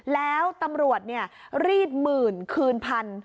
แล้วตำรวจรีดหมื่นคืนพัน